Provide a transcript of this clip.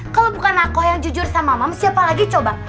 kalo bukan aku yang jujur sama mams siapa lagi coba